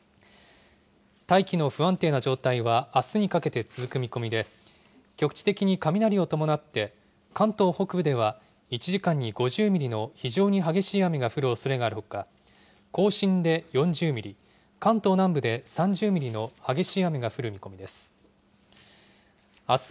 大気の不安定な状態はあすにかけて続く見込みで、局地的に雷を伴って、関東北部では１時間に５０ミリの非常に激しい雨が降るおそれがあるほか、甲信で４０ミリ、関東南部で３０ミリの激しい雨が降る見込みです。